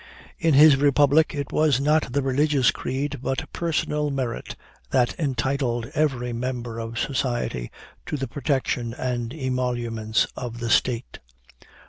In his republic, it was not the religious creed but personal merit, that entitled every member of society to the protection and emoluments of the State.